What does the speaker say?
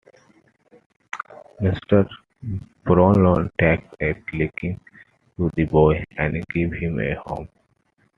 Mr. Brownlow takes a liking to the boy, and gives him a home.